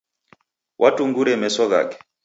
Watungura meso ghake.